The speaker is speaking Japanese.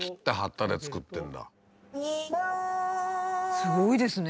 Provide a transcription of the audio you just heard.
すごいですね。